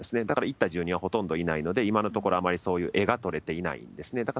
だから行った住民はほとんどいないので、今のところ、あまりそういう絵が撮れていないんですね。